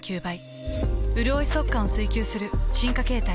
うるおい速乾を追求する進化形態。